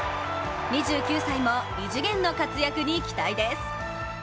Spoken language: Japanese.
２９歳も異次元の活躍に期待です。